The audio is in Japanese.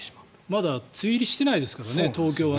まだ梅雨入りしてないですからね東京は。